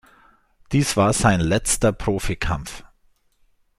Dies war sein letzter Profikampf.